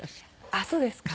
あっそうですか？